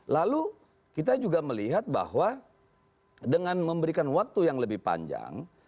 lalu kita juga melihat bahwa dengan memberikan waktu yang lebih panjang